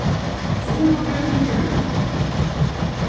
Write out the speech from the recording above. そんな芸名付けてんだ？